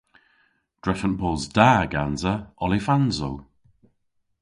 Drefen bos da gansa olifansow.